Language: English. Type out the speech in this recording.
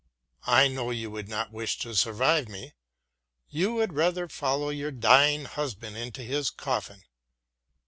I know you would not wish to survive me; you would rather follow your dying husband into his coffin.